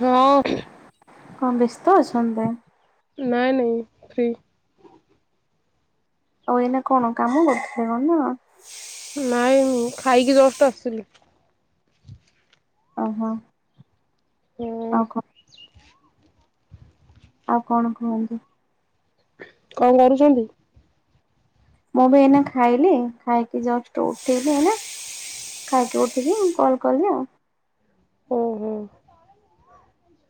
ହଁ ଅଁ। କଣ ବ୍ୟସ୍ତ ଅଛନ୍ତି? ନାଇଁ ନାଇଁ ଫ୍ରି। ଆଉ ଏଇନା କଣ କାମ କରୁଥିଲେ [unintelligible] ନା। ନାଇଁ, ମୁଁ ଖାଇକି ଜଷ୍ଟ ଆସିଲି। ଓହୋ। ହୁଁ ଆଉ କଣ? ଆଉ କଣ କୁହନ୍ତୁ? କଣ କରୁଛନ୍ତି? ମୁଁ ବି ଏଇନା ଖାଇଲି, ଖାଇକି ଜଷ୍ଟ ଉଠେଇଲି ହେଲା। ଖାଇକି ଉଠିକି, ମୁ କଲ କଲି ଆଉ। ଏ ହେ।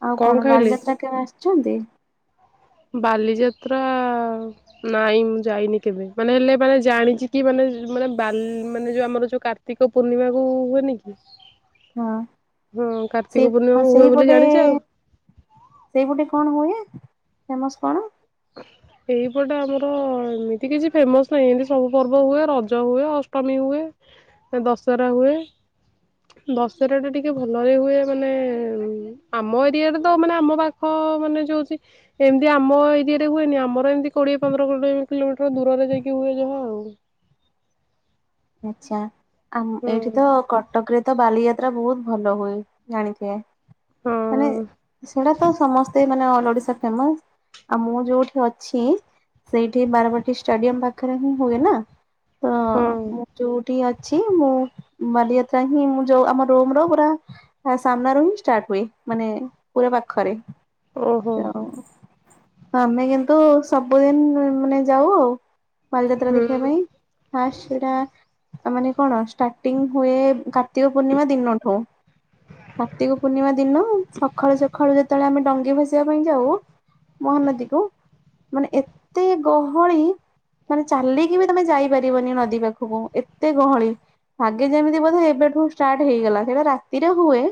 ଆଉ କଣ? ବାଲିଯାତ୍ରା କେବେ ଆସିଛନ୍ତି? ବାଲିଯାତ୍ରା ନାଇଁ ମୁଁ ଯାଇନି କେବେ, ମାନେ ହେଲେ ମାନେ ଜାଣିଛି କି ମାନେ ମାନେ ବା ମାନେ ଯୋଉ ଆମର ଯୋଉ କାର କାର୍ତ୍ତିକ ପୂର୍ଣ୍ଣିମା କୁ ହୁଏନି କି? ହଁ ହଁ। ସେଇ କାର୍ତିକ ପୂର୍ଣ୍ଣିମା ହୁଏ ବୋଲି ସେଇପଟେ ଜାଣିଛିେ ଆଉ ସେଇପଟେ କଣ ହୁଏ ଫେମସ୍ କଣ [inaudible] ଏଇପଟେ ଆମର ଏମିତି କିଛି ଫେମସ ନାହିଁ ଏମିତି ସବୁ ପର୍ବ ହୁଏ ରଜ ହୁଏ ଅଷ୍ଟମୀ ହୁଏ। ଦଶରା ହୁଏ, ଦଶରା ଟା ଟିକେ ଭଲରେ ହୁଏ, ମାନେ ଉଁ ଆମ ଏରିଆରେ ତ, ମାନେ ଆମ ପାଖ, ମାନେ ଯଉଛି ଏମିତି ଆମ ଏ ଇଏରେ ହୁଏନି, ଆମର ଏମିତି କୋଡିଏ ପନ୍ଦର କିଲୋମିଟର ଦୂରରେ ଯାଇକି ହୁଏ ଯାହା ଆଉ। ଆଛା, ଆ ଏଇଠି ହୁଁ ତ କଟକରେ ତ ବାଲିଆ ଯାତ୍ରା ବହୁତ ଭଲ ହୁଏ, ଜାଣିଥିବେ, ମାନେ ହଁ ସେଟା ତ ସମସ୍ତ ଏତେ ମାନେ ଅଲ ଓଡ଼ିଶା ଫେମସ। ଆଉ ମୁଁ ଯୋଉଠି ଅଛି, ସେଇଠି ବାରବାଟୀ ଷ୍ଟାଡିୟମ ପାଖରେ ହିଁ ହୁଏ ନା। ତ ହଁ ମୁଁ ଯୋଉଠି ଅଛି ମୁଁ, ବାଲିଯାତ୍ରା ହିଁ ମୁଁ ଯୋଉ ଆମ ରୁମ ରୁ ପୁରା ସାମ୍ନାରୁ ହିଁ ଷ୍ଟାର୍ଟ ହୁଏ, ମାନେ ପୁରା ପାଖରେ। ଓହୋ। ହଉ, ଆମେ କିନ୍ତୁ ସବୁଦିନ ମାନେ ଯାଉ ଆଉ ବାଲିଯାତ୍ରା ହୁଁ ଦେଖିବା ପାଇଁ, ଫାଷ୍ଟ ଟା ମାନେ କଣ ଷ୍ଟାର୍ଟିଂ ହୁଏ କା ତିକ ପୂର୍ଣିମା ଦିନଠୁ। କାର୍ତ୍ତିକ ପୂର୍ଣ୍ଣିମା ଦିନ, ସକାଳୁ ସକାଳୁ ଯେତେବେଳେ ଆମେ ଡଙ୍ଗେ ଭସ [unintelligible] ପାଇଁ ଯାଉ ମହାନଦୀ କୁ ମାନେ ଏତେ ଗହଳି, ମାନେ ଚାଲିକି ବି ତମେ ଯାଇପାରିବନି ନଦୀ ପାଖକୁ। ଏତେ ଗହଳି, ଲାଗେ ଯେମିତି ବୋଧେ ଏବେଠୁ ଷ୍ଟାର୍ଟ ହେଇଗଲା, ସେଇଟା ରାତିରେ ହୁଏ।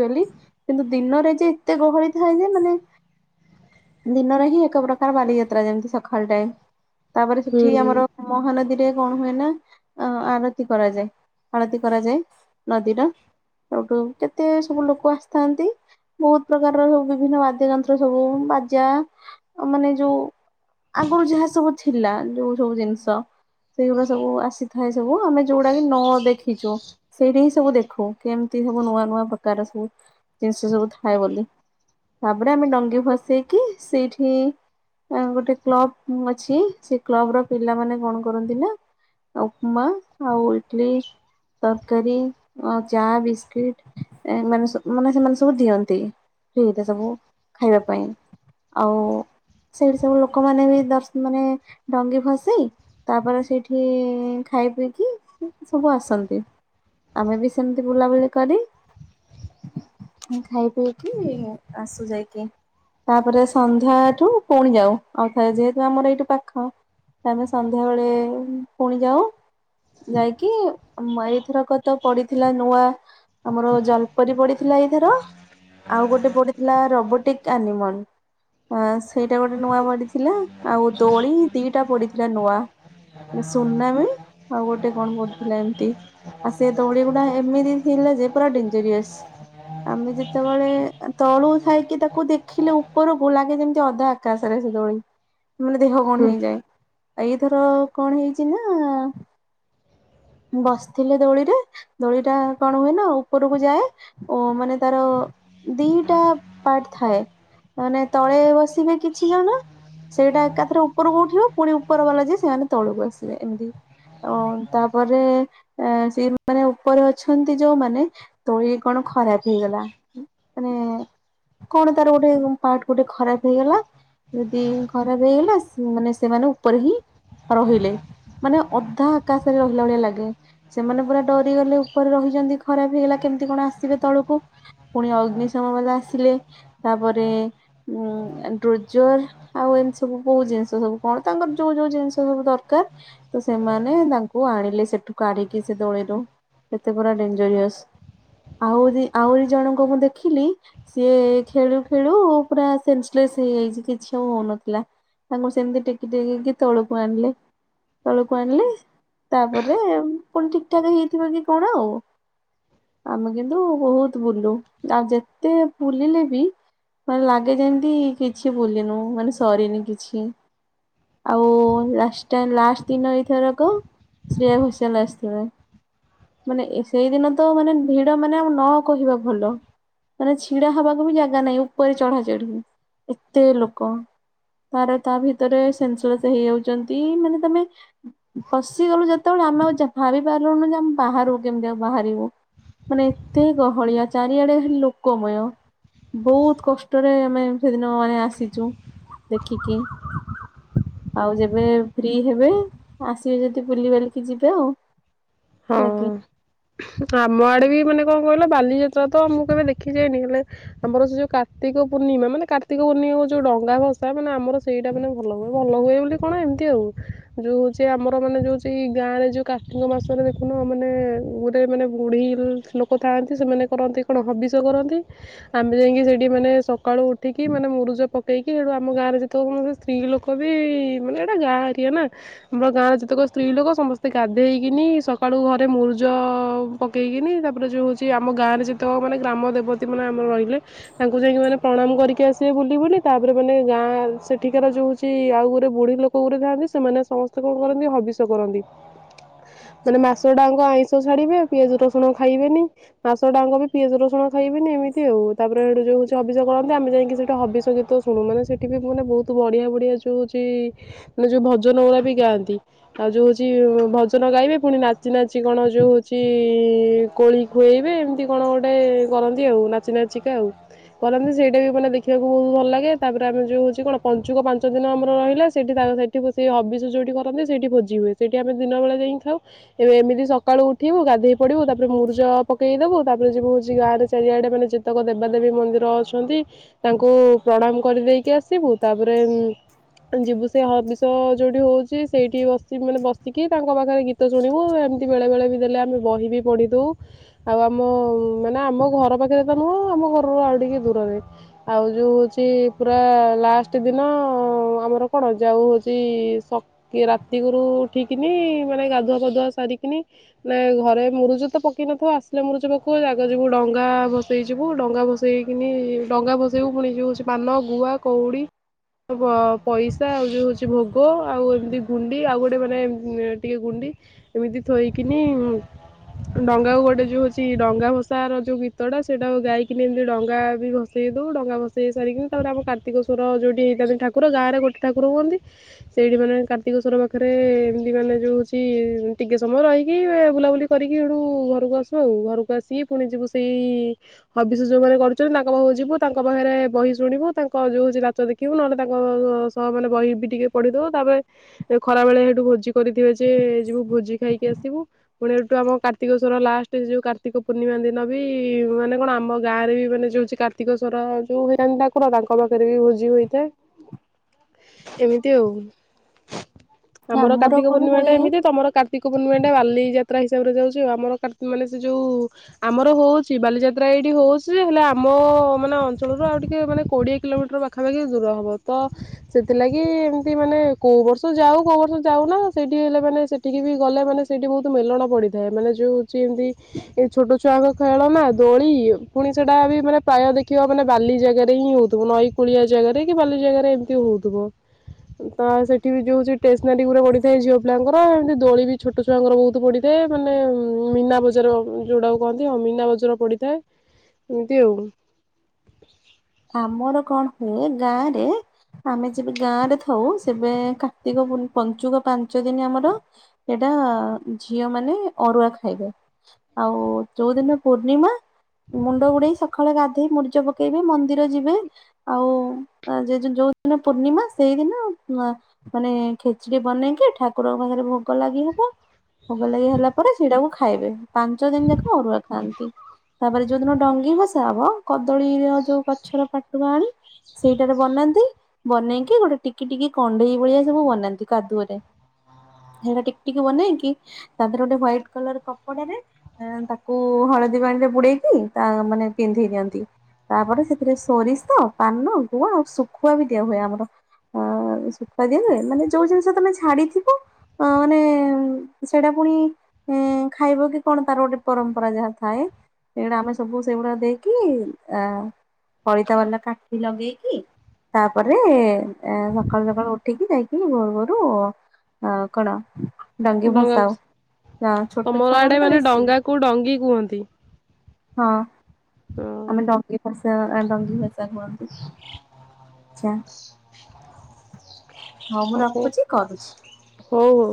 ଡେଲି କିନ୍ତୁ ଦିନରେ ଯେ ଏତେ ଗହଳି ଥାଏ ଯେ ମାନେ ଦିନରେ ହିଁ ଏକ ପ୍ରକାର ବାଲିଯାତ୍ରା ଯେମିତି ସଖାଳ ଟାଇମ୍ ତାପରେ ହୁଁ ସେଠି ଆମର ମହାନଦୀରେ କଣ ହୁଏ ନା ଅ ଆରତି କରାଯାଏ ଆଳତି କରାଯାଏ ନଦୀର ସେଉଠୁ କେତେ ସବୁ ଲୋକ ଆସିଥାନ୍ତି। ବହୁତ ପ୍ରକାରର ସବୁ ବିଭିନ୍ନ ବାଦ୍ୟ ଯନ୍ତ୍ର ସବୁ ବାଜା ଆଉ ମାନେ ଯୋଉ ଆଗରୁ ଯାହା ସବୁ ଥିଲା ଯୋଉ ସବୁ ଜିନିଷ ସେଇଗୁରା ସବୁ ଆସି ଥାଏ ସବୁ ଆମେ ଯୋଉଡା କି ନ ଦେଖିଚୁ। ସେଇଠି ହିଁ ସବୁ ଦେଖୁ କେମିତି ସବୁ ନୂଆ ନୂଆ ପ୍ରକାର ସବୁ ଜିନିଷ ସବୁ ଥାଏ ବୋଲି। ତାପରେ ଆମେ ଡଙ୍ଗି ଭସେଇକି ସେଇଠି ଆଁ ଗୋଟେ କ୍ଲବ ଅଛି ସେ କ୍ଲବ ର ପିଲାମାନେ କଣ କରନ୍ତି ନା ଉପମା ଆଉ ଇଟଲି ତରକାରୀ ଅ ଚା ବିସ୍କିଟ ଏଁ ମାନେ ସ ମାନେ ସେମାନେ ସବୁ ଦିଅନ୍ତି ଫ୍ରି ରେ ସବୁ। ଖାଇବା ପାଇଁ ଆଉ ସେଇଠି ସବୁ ଲୋକମାନେ ବି ଦର୍ଶ ମାନେ ଡଙ୍ଗି ଭସେଇ ତାପରେ ସେଇଠି ଉଁ ଖାଇ ପିଇକି ସବୁ ଆସନ୍ତି। ଆମେ ବି ସେମିତି ବୁଲାବୁଲି କରି ପୁଣି ଖାଇ ପିଇକି ଆସୁ ଯାଇକି। ତାପରେ ସନ୍ଧ୍ୟାଠୁ ପୁଣି ଯାଉ ଆଉ ଥରେ ଯେହେତୁ ଆମର ଏଇଠୁ ପାଖ ତାପରେ ସନ୍ଧ୍ୟାବେଳେ ପୁଣି ଯାଉ ଯାଇକି ଆମ ଏଇଥରକ ତ ପଡିଥିଲା ନୂଆ ଆମର ଜଲପରି ପଡିଥିଲା ଏଇଥର ଆଉ ଗୋଟେ ପଡିଥିଲା ରୋବୋଟିକ ଆନିମଲ୍ ଅ ସେଇଟା ଗୋଟେ ନୂଆ ପଡିଥିଲା ଆଉ ଦୋଳି ଦିଟା ପଡିଥିଲା ନୂଆ। ଗୋଟେ ସୁନାମୀ ଆଉ ଗୋଟେ କଣ ପଡିଥିଲା ଏମତି। ଆଉ ସେ ଦୋଳି ଗୁଡା ଏମିତି ଥିଲା ଯେ ପୁରା ଡେଞ୍ଜରିଅସ। ଆମେ ଯେତେବେଳେ ଅ ତଳୁ ଥାଇକି ତାକୁ ଦେଖିଲେ ଉପରକୁ ଲାଗେ ଯେମତି ଅଧା କାଶରେ ସେ ଦୋଳି ମାନେ ଦେହ କଣ ହୁଁ ହେଇଯାଏ ଆଉ ଏଇଥର କଣ ହେଇ ଚି ନା ବସିଥିଲେ ଦୋଳିରେ ଦୋଳିଟା କଣ ହୁଏ ନା ଉପରକୁ ଯାଏ। ଓ ମାନେ ତାର ଦିଟା ପାର୍ଟ ଥାଏ ମାନେ ତଳେ ବସ ଥିବେ କିଛି ଜଣ ସେଇଟା ଏକାଥରେ ଉପରକୁ ଉଠିବ ପୁଣି ଉପର ବାଲା ଯାଇ ସେମାନେ ତଳକୁ ଆସି ବେ ଏମିତି। ଅ ତାପରେ ଏ ସେଇମାନେ ଉପରେ ଅଛନ୍ତି ଯୋଉମାନେ ଦୋଳି କଣ ଖରାପ ହେଇଗଲା ମାନେ କଣ ତାର ଗୋଟେ ପାର୍ଟ ଗୋଟେ ଖରାପ ହେଇଗଲା ଯଦି ଖରାପ ହେଇଗଲା ଶ୍ ମାନେ ସେମାନେ ଉପରେ ହିଁ ରହିଲେ। ମାନେ ଅଧା ଆକାଶରେ ରହିଲା ଭଳିଆ ଲାଗେ। ସେମାନେ ପୁରା ଡରିଗଲେ ଉପରେ ରହିଛନ୍ତି ଖରାପ ହେଇଗଲା କେମତି କଣ ଆସିବେ ତଳକୁ ପୁଣି ଅଗ୍ନିଶମବାଲା ଆସିଲେ ତାପରେ ଉଁ ଡ୍ରୋଜର ଆଉ ଏମିତି ସବୁ ବୋହୁତ୍ ଜିନିଷ ସବୁ କଣ ତାଙ୍କର ଯୋଉ ଯୋଉ ଜିନିଷ ସବୁ ଦରକାର ତ ସେମାନେ ତାଙ୍କୁ ଆଣିଲେ ସେଠୁ କାଢିକି ସେ ଦୋଳିରୁ। ଏତେ ପୁରା ଡେଞ୍ଜରିଅସ ଆହୁରି ଆହୁରି ଜଣଙ୍କୁ ମୁଁ ଦେଖିଲି ସିଏ ଖେଳୁ ଖେଳୁ ପୁରା ସେନ୍ସଲେସ ହେଇଯାଇଛି କିଛି ଆଉ ହଉନଥିଲା। ତାଙ୍କୁ ସେମିତି ଟେକି ଟେକିକି ତଳକୁ ଆଣିଲେ। ତଳକୁ ଆଣିଲେ ତାପରେ ପୁଣି ଠିକ୍ ଠାକ୍ ହେଇଥିବ କି କଣ ଆଉ। ଆମେ କିନ୍ତୁ ବହୁତ ବୁଲୁ ଆଉ ଯେତେ ବୁଲିଲେ ବି ମାନେ ଲାଗେ ଯେମତି କିଛି ବୁଲିନୁ ମାନେ ସରିନି କିଛି। ଆଉ ଲାଷ୍ଟ ଲାଷ୍ଟ ଦିନ ଏଇଥରକ ଶ୍ରେୟା ଘୋଷାଲ୍ ଆସିଥିଲେ। ମାନେ ଏ ସେଇଦିନ ତ ମାନେ ଭିଡ ମାନେ ଆଉ ନ କହିବା ଭଲ। ମାନେ ଛିଡା ହବାକୁ ବି ଜାଗା ନାହିଁ ଉପରେ ଚଢାଚଢି ଏତେ ଲୋକ। ତାପରେ ତା ଭିତରେ ସେନ୍ସଲେସ ହେଇଯାଉଛନ୍ତି ମାନେ ତମେ ପଶିଗଲୁ ଯେତେବେଳେ ଆମେ ଆଉ ଯା ଭାବି ପାରିଲୁନୁ ଯେ ଆମେ ବାହାରକୁ କେମିତି ଆଉ ବାହାରିବୁ। ମାନେ ଏତେ ଗହଳିଆ ଚାରିଆଡେ ଖାଲି ଲୋକମୟ। ବହୁତ କଷ୍ଟରେ ଆମେ ସେଦିନ ମାନେ ଆସିଛୁ ଦେଖିକି। ଆଉ ଯେବେ ଫ୍ରି ହେବେ ଆସିବେ ଯଦି ବୁଲି ବାଲିକି ଯିବେ ଆଉ। ହଁ। ହେଲା କି। ଆମ ଆଡେ ବି ମାନେ କଣ କହିଲ ବାଲିଯାତ୍ରା ତ ମୁଁ କେବେ ଦେଖିଯାଇନି ହେଲେ। ଆମର ସେ ଯୋଉ କାର୍ତ୍ତିକ ପୂର୍ଣ୍ଣିମା ମାନେ କାର୍ତିକ ପୂର୍ଣିମାକୁ ଯୋଉ ଡଙ୍ଗା ଭସା ମାନେ ଆମର ସେଇଟା ମାନେ ଭଲ ହୁଏ ଭଲ ହୁଏ ବୋଲି କଣ ଏମିତି ଆଉ। ଯୋଉ ହଉଛି ଆମର ମାନେ ଯୋଉ ହ ଗାଁରେ ଯୋଉ କାର୍ତ୍ତିକ ମାସରେ ଦେ କଣ ମାନେ ଗୁରେ ମାନେ ବୁଢ଼ୀ ଲୋକ ଥାଆନ୍ତି ସେମାନେ କରନ୍ତି କଣ ହବିଷ କରନ୍ତି। ଆମେ ଯାଇକି ସେଇଠି ମାନେ ସକାଳୁ ଉଠିକି ମାନେ ମୁରୁଜ ପ ଦେଇକି ସେଠୁ ଆମ ଗାଁରେ ଯେତେ କୌଣସି ସ୍ତ୍ରୀ ଲୋକ ବି ମାନେ ଏଇଟା ଗାଁ ଏରିଆ ନା। ଆମର ଗାଁରେ ଯେତେକ ସ୍ତ୍ରୀ ଲୋକ ସମସ୍ତେ ଗାଧେଇକିନି ସକ୍ ସକାଳୁ ଘରେ ମୁରୁଜ ପକେଇକିନି ତାପରେ ଯୋଉ ହଉଛି ଆମ ଗାଁରେ ଯେତକ ମାନେ ଗ୍ରାମ ଦେବ ତୀ ମାନେ ଆମର ରହିଲେ। ତାଙ୍କୁ ଯାଇକି ମାନେ ପ୍ରଣାମ କରିକି ଆସିବେ ବୁଲି ବୁଲି ତାପରେ ମାନେ ଗାଁ ସେଠିକାର ଯୋଉ ହଉଛି ଆଉ ଗୋରେ ବୁଢୀ ଲୋକ। କ ଗୁରେ ଥାଆନ୍ତି ସେମାନେ ସମସ୍ତେ କଣ କରନ୍ତି ହବିଷ କରନ୍ତି। ମାନେ ମାସଟାଙ୍କ ଆଇଁଷ ଛାଡିବେ ପିଆଜ ରସୁଣ ଖାଇବେନି ମାସଟାଙ୍କ ବି ପିଆଜ ରସୁଣ ଖାଇବେନି ଏମତି ଆଉ ତାପରେ ହେଡୁ ଯୋଉ। ସେ ହବିଷ କରନ୍ତି ଆମେ ଯାଇକି ସେଠି ହବିଷ ଗୀତ ଶୁଣୁ ମାନେ ସେଇଠି ବି ମାନେ ବହୁତ୍ ବଢିଆ ବଢ଼ିଆ ଯୋଉ ହଉଛି। ମାନେ ଯୋଉ ଭଜନ ଗୁଡା ବି ଗାଆନ୍ତି ଆଉ ଯୋଉ ହଉଛି ଭଜନ ଗାଇବେ। ପୁଣି ନାଚି ନାଚି କଣ ଯୋଉ ହଉଛି କୋଳି ଖୁଏଇବେ ଏମିତି କଣ ଗୋଟେ କରନ୍ତି ଆଉ ନାଚି ନାଚି। ଚିକା ଆଉ। କରନ୍ତି ସେଇଟା ବି ମାନେ ଦେଖିବାକୁ ବହୁତ ଭଲ ଲାଗେ ତାପରେ ଆମେ ଯୋଉ ହଉଛି କଣ ପଞ୍ଚୁକ ପାଞ୍ଚ ଦିନ ଆମର ରହିଲା ସେଠି ତାଙ୍କ ସାଙ୍ଗେ। ସେଠି ହବିଷ ଯଉଠି କରନ୍ତି ସେଠି ଭୋଜି ହୁଏ ସେଠି ଆମେ ଦିନ ବେଳେ ଯାଇକି ଖାଉ। ଏବେ ଏମିତି ସକାଳୁ ଉଠିବୁ ଗାଧେଇ ପଡିବୁ ତାପରେ ମୁରୁଜ ପକେଇଦବୁ ତାପରେ ଯିବୁ ହଉଛି ଗାଁରେ ଚାରିଆଡେ ମାନେ ଯେ ତକ ଦେବାଦେବୀ ମନ୍ଦିର ଅଛନ୍ତି ତାଙ୍କୁ ପ୍ରଣାମ କରିଦେଇକି ଆସିବୁ ତାପରେ। ଯିବୁ ସେ ହବିଷ ଯୋଉଠି ହଉଛି ସେଇଠି ବସି ମାନେ ବସିକି ତାଙ୍କ ପାଖରେ ଗୀ ତ ଶୁଣିବୁ ଏମିତି ବେଳେବେଳେ ବି ଦେଲେ ଆମେ ବହି ବି ପଢିଦଉ। ଆଉ ଆମ ମାନେ ଆମ ଘର ପାଖରେ ତ ନୁହଁ ଆମ ଘରରୁ ଆଉ ଟିକେ ଦୂରରେ ଆଉ ଯୋଉ ହଉଛି ପୁରା ଲାଷ୍ଟ ଦିନ ଆମର କଣ ଯାଉ ହଉଛି କି ରାତି ଗୋରୁ ଉଠିକିନି ମାନେ ଗାଧୁଆ ପାଧୁଆ ସାରିକିନି ନାଇଁ ଘରେ ମୁରୁଜ ତ ପକେଇ ନଥିବ ଆସିଲେ ମୁରୁଜ ପକ ଜାଗ ଯିବୁ ଡଙ୍ଗା ବ ବଷେଇଯିବୁ ଡଙ୍ଗା ଭସେଇକିନି ଡଙ୍ଗା ଭସେଇବୁ ପୁଣି ଯିବୁ ସେ ପାନ ଗୁଆ କଉଡ଼ି ପଇସା ଆଉ ଯୋଉ ହଉଛି ଭୋଗ ଆଉ ଏମିତି ଗୁଣ୍ଡି ଆଉ ଗୋଟେ ମାନେ ଟିକେ ଗୁଣ୍ଡି ଏମିତି ଥୋଇକିନି ଡଙ୍ଗା ଗୋଟେ ଯୋଉ ହଉଛି ଡଙ୍ଗା ଭସା ର ଯୋଉ ଗୀତଟା ସେଇଟା ଗାଇକି ଏମିତି ଡଙ୍ଗା ବି ଭ ବସେଇଦଉ ଡଙ୍ଗା ଭସେଇ ସାରିକି ତାପରେ ଆମ କତ୍ତି ସ୍ୱର ଯୋଉଠି ହୋଇଥା ଠାକୁ ଗଁରେ ଗୋଟ ଠାକୁର ହୁଅନ୍ତି ସେଇଠି ମାନେ କାର୍ତ୍ତିକ ସ୍ୱର ପାଖରେ ଏମିତି ମାନେ ଯେଉ ହଉଛି ଟିକେ ସମୟ ରହିକି ବୁଲାବୁଲି କରିକି ସେଠୁ ଘରକୁ ଆସୁ ଆଉ ଘରକୁ ଆସିକି ପୁଣି ଯିବୁ ସେଇ ହବିଷ ଯୋଉମାନେ କରୁଛନ୍ତି ତାଙ୍କ ପାଖକୁ ଯିବୁ ତାଙ୍କ ଭରେ ବହି ଶୁଣିବୁ ତାଙ୍କ ଯୋଉ ହଉଛି ନାଚ ଦେ କିବୁ ନହେଲେ ତାଙ୍କ ସହ ମାନେ ବହି ବି ଟିକେ ପଢିଦଉ ତାପରେ ଖରା ବେଳେ ସେଠୁ ଭୋଜି କରିଥିବେ ଯେ ଯିବୁ ଭୋଜି ଖାଇକି ଆସିବୁ ପୁଣି ଏଠୁ ଆମ କାର୍ତ୍ତିକସ୍ୱର ଲାଷ୍ଟ ଯୋଉ କାର୍ତ୍ତିକ ପୂର୍ଣ୍ଣିମା ଦିନ ବି ମାନେ କଣ ଆମ ଗାଁରେ ବି ମାନେ ଯୋଉଛି କାର୍ତ୍ତିକ ସ୍ୱର ଯୋଉ ହେଇଥାନ୍ତି ଠାକୁର ତାଙ୍କ ପାଖରେ ବି ଭୋଜି ହୋଇଥାଏ। ହ ଏମିତି ଆଉ ଆମର କାର୍ତ୍ତିକ କଣ ପୂର୍ଣ୍ଣିମା ହୁଏ ଟା ଏମିତି ତମର କାର୍ତ୍ତିକ ପୂର୍ଣ୍ଣିମା ଟା ବାଲି ଯାତ୍ରା ହିସାବରେ ଯାଉଛି। ଆମର ମାନେ ସେ ଯୋଉ ଆମର ହଉଛି ବାଲିଯାତ୍ରା ଏଇଠି ହଉଛି ଯେ, ହେଲେ ଆମ ମାନେ ଅଞ୍ଚଳରୁ ଆଉ ଟିକେ ମାନେ କୋଡ଼ିଏ କିଲୋମିଟର ପା ପାଖାପାଖି ଦୂର ହବ ତ ସେଥିଲାଗି ଏମତି ମାନେ କୋଉ ବର୍ଷ ଯାଉ କୋଉ ବର୍ଷ ଯାଉନା। ସେଇଠି ହେଲେ ମାନେ ସେଠିକି ବି ଗଲେ ମାନେ ସେଇଠି ବହୁତ ମେଳଣ ପଡ଼ିଥାଏ। ମାନେ ଯୋଉ ହଉଛି ଏମିତି ଏ ଛୋଟ ଛୁଆଙ୍କ ଖେଳନା, ଦୋଳି ପୁଣି ସେଟା ବି ମାନେ ପ୍ରାୟ ଦେଖିବ ମାନେ ବାଲି ଜାଗାରେ ହିଁ ହଉଥିବ। ନଈ କୂଳିଆ ଜାଗାରେ କି ବାଲି ଜାଗାରେ ଏମିତି ହଉଥିବ। ତ ସେଠି ବି ଯୋଉ ଷ୍ଟେସନାରୀ ଗୁରା ପଡି଼ଥାଏ ଝିଅ ପିଲାଙ୍କର। ଏମତି ଦୋଳି ବି ଛୋଟ ଛୁଆଙ୍କର ବହୁତ ପଡ଼ିଥାଏ। ମାନେ ମୀନା ବଜାର ଯୋଉଟାକୁ କୁହନ୍ତି ହଁ ମୀନା ବଜାର ପଡ଼ିଥାଏ। ଏମିତି ଆଉ। ଆମର କଣ ହୁଏ ଗାଁରେ ଆମେ ଯେବେ ଗାଁ ରେ ଥାଉ, ସେବେ କାର୍ତ୍ତିକ ପଞ୍ଚୁକ ପାଞ୍ଚ ଦିନ ଆମର ସେଇଟା ଝିଅ ମାନେ ଅରୁଆ ଖାଇବେ। ଆଉ ଯୋଉ ଦିନ ପୂର୍ଣ୍ଣିମା ମୁଣ୍ଡ ବୁଡ଼େଇ ସକାଳେ ଗାଧେଇ ମୁରୁଜ ପକେଇବେ, ମନ୍ଦି ମନ୍ଦିର ଯିବେ ଆଉ ଯୋଉଦିନ ପୂର୍ଣ୍ଣିମା ସେଇଦିନ ମାନେ ଖେଚୁଡ଼ି ବନେଇକି ଠାକୁରଙ୍କ ପାଖରେ ଭୋଗ ଲାଗି ହବ। ଭୋଗ ଲାଗି ହେଲା ପରେ ସେଇଟାକୁ ଖାଇବେ। ପାଞ୍ଚ ଦିନ ଯାକ ଅରୁଆ ଖାଆନ୍ତି। ତାପରେ ଯୋଉଦିନ ଡଙ୍ଗି ଭସା ହବ, କଦଳୀର ଯୋଉ ଗଛର ପାଟୁଆ ଆଣି ସେଇଟାରେ ବନାନ୍ତି। ବନେଇକି ଗୋଟେ ଟିକି ଟିକି କଣ୍ଢେଇ ଭଳିଆ ସବୁ ବନାନ୍ତି କାଦୁଅରେ। ସେଇଟା ଟିକି ଟିକି ବନେଇକି ତା ଦେହରେ ଗୋଟେ ହ୍ଵାଇଟ କଲର କପଡ଼ା ରେ ତାକୁ ହଳଦୀ ପାଣିରେ ବୁଡ଼େଇ କି ତା ମାନେ ପିନ୍ଧେଇ ଦିଅନ୍ତି। ତାପରେ ସେ ସେରେ ସୋରିଷ, ପାନ, ଗୁଆ ଆଉ ଶୁଖୁଆ ବି ଦିଆ ହୁଏ ଆମର। ହ ଶୁଖୁଆ ଦିଆ ହୁଏ। ମାନେ ଯୋଉ ଜିନିଷ ତମେ ଛାଡି଼ଥିବ ଅ ମାନେ ସେଇଟା ପୁଣି ଉଁ ଖାଇବ କି କଣ ତାର ଗୋଟେ ପରମ୍ପରା ଯାହା ଥାଏ ସେଇ ଗୁଡ଼ା ଆମେ ସବୁ ସେଇ ଗୁଡ଼ା ଦେଇକି ଆ ପଳିତା ବାଲା କାଠି ଲଗେଇକି ତାପରେ ସକାଳୁ ସକାଳୁ ଉଠିକି ଯାଇକି ଭୋରୁ ଭୋରୁ ଅ କଣ? ଡଙ୍ଗି ଡଙ୍ଗା ଭସାଉ। ହଁ ଛୋଟ ତମର ଛୁଆ ମାନେ ଆଡ଼େ ତ ବେଶୀ। ଡଙ୍ଗାକୁ ଡଙ୍ଗି କୁହନ୍ତି ହଁ ହଁ ଆମେ ଡଙ୍ଗି ଭସା, ଡଙ୍ଗି ଭାସା କୁହନ୍ତି। ଆଚ୍ଛା। ହଉ ମୁଁ ରଖୁଛି କରୁଛି। ହଉ ହଉ।